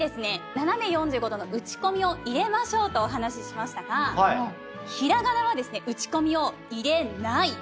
斜め４５度のうちこみを入れましょうとお話しましたが平仮名はですねうちこみを入れない。